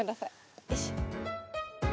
よいしょ。